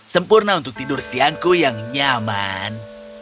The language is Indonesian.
sempurna untuk tidur siangku yang nyaman